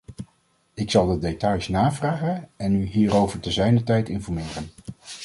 Ik zal de details navragen en u hierover te zijner tijd informeren.